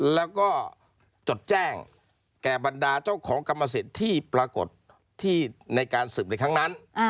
แล้วก็จดแจ้งแก่บรรดาเจ้าของกรรมสิทธิ์ที่ปรากฏที่ในการสืบในครั้งนั้น